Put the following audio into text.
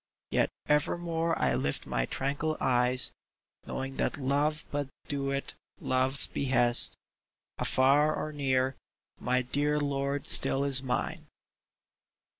Yet evermore I lift my tranquil eyes, Knowing that Love but doeth Love's behest — Afar or near, my dear lord still is mine